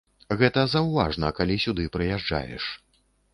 Гэта заўважна, калі сюды прыязджаеш.